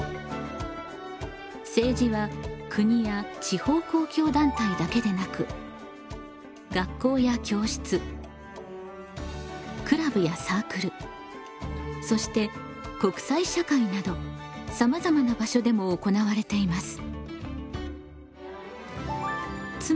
政治は国や地方公共団体だけでなく学校や教室クラブやサークルそして国際社会などさまざまな場所でも行われています。